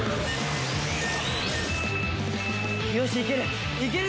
よしいける！